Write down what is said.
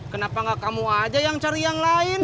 kenapa gak kamu aja yang cari yang lain